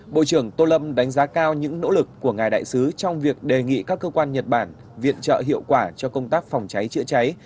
bộ trưởng tô lâm đánh giá cao những nỗ lực của ngài đại sứ trong việc đề nghị các cơ quan nhật bản viện trợ hiệu quả cho công tác phòng cháy chữa cháy